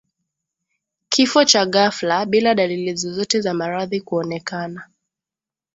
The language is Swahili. Kifo cha ghafla bila dalili zozote za maradhi kuonekana